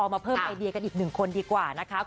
มาเพิ่มไอเดียกันอีกหนึ่งคนดีกว่านะคะ